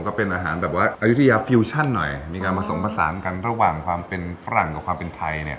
ก็เป็นอาหารแบบว่าอายุทยาฟิวชั่นหน่อยมีการผสมผสานกันระหว่างความเป็นฝรั่งกับความเป็นไทยเนี่ย